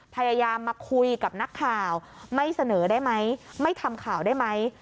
พยายามมาคุยกับนักข่าวไม่เสนอได้ไหมไม่ทำข่าวได้ไหม